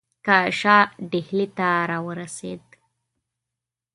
که شاه ډهلي ته را ورسېد.